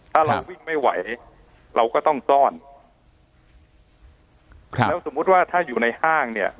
ถ้าเราวิ่งไม่ไหวเราก็ต้องซ่อนครับแล้วสมมุติว่าถ้าอยู่ในห้างเนี่ย